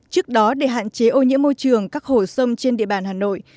trước đó để hạn chế ô nhiễm môi trường các hồ sông trên địa bàn hà nội